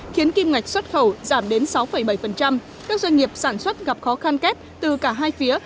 khiến kim ngạch xuất khẩu giảm đến sáu bảy các doanh nghiệp sản xuất gặp khó khăn kép từ cả hai phía